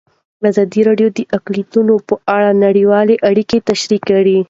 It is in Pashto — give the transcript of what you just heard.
ازادي راډیو د اقلیتونه په اړه نړیوالې اړیکې تشریح کړي.